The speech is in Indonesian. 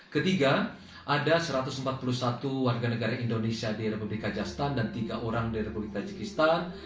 ketiga ada satu ratus empat puluh satu warga negara indonesia di republik kajastan dan tiga orang di republik tajikistan